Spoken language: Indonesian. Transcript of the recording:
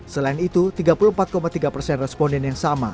selain itu tiga puluh empat tiga persen responden yang sama